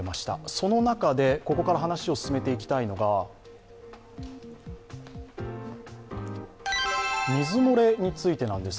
その中で、ここから話を進めていきたいのが水漏れについてです。